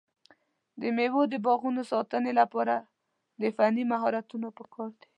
د مېوو د باغونو د ساتنې لپاره د فني مهارتونو پکار دی.